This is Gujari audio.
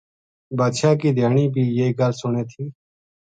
بادشاہ کی دھیانی بی یہ گل سُنے تھی